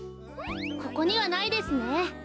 ここにはないですね。